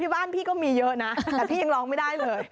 บ้านพี่ก็มีเยอะนะแต่พี่ยังร้องไม่ได้เลย